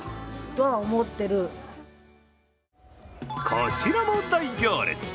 こちらも大行列。